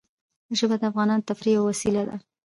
ژبې د افغانانو د تفریح یوه وسیله ده.